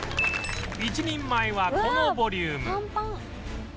一人前はこのボリューム